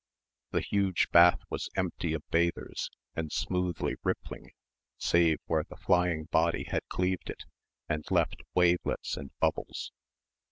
The huge bath was empty of bathers and smoothly rippling save where the flying body had cleaved it and left wavelets and bubbles.